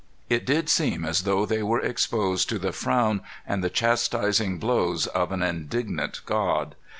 It did seem as though they were exposed to the frown and the chastising blows of an indignant God.